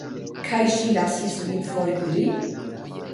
Kaj ŝi lasis vin foriri?